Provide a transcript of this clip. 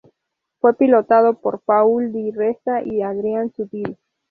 Fue pilotado por Paul di Resta y Adrian Sutil.